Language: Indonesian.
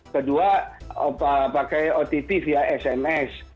kedua pakai otp via sms